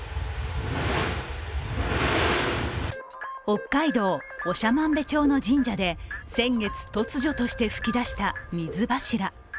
北海道長万部町の神社で先月突如として吹き出した水柱。